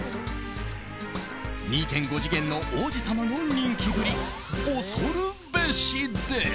２．５次元の王子様の人気ぶり恐るべしです。